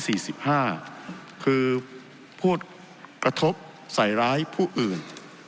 คือพูดกระทบใส่ร้ายผู้อื่น